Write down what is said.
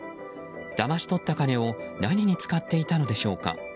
だまし取った金を何に使っていたのでしょうか。